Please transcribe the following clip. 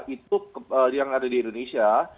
itu yang ada di indonesia